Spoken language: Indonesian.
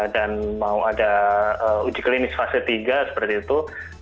dan mau ada uji klinis fase tiga seperti itu